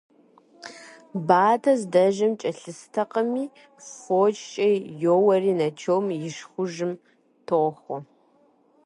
Батэ здэжэм кӀэлъыстэкъыми, фочкӀэ йоуэри Начом и шхужьым тохуэ.